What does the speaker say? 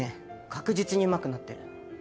確実にうまくなってる。